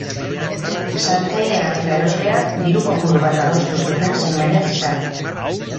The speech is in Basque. Saltzaileak eta erosleak diru-kopuru bat adostu zuten seinale gisa.